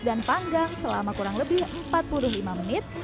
dan panggang selama kurang lebih empat puluh lima menit